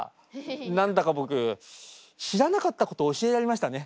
何だか僕知らなかったことを教えられましたね。